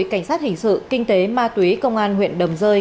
cảnh sát hình sự kinh tế ma túy công an huyện đầm rơi